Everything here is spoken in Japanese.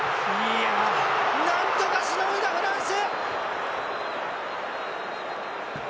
なんとかしのいだ、フランス！